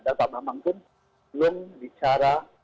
dan pak bambang pun belum bicara